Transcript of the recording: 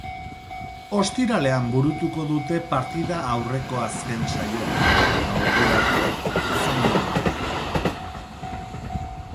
Ostiralean burutuko dute partida aurreko azken saioa eta ordu arte zain egon behar.